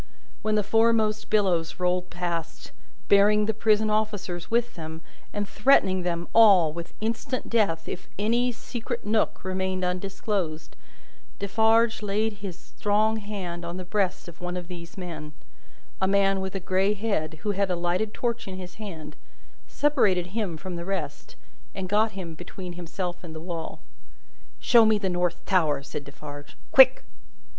When the foremost billows rolled past, bearing the prison officers with them, and threatening them all with instant death if any secret nook remained undisclosed, Defarge laid his strong hand on the breast of one of these men a man with a grey head, who had a lighted torch in his hand separated him from the rest, and got him between himself and the wall. "Show me the North Tower!" said Defarge. "Quick!"